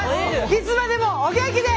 いつまでもお元気で！